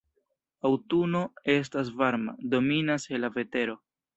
Aŭtuno estas varma, dominas hela vetero.